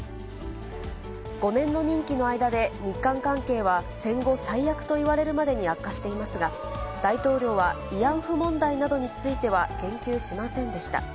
５年の任期の間で、日韓関係は戦後最悪といわれるまでに悪化していますが、大統領は慰安婦問題などについては言及しませんでした。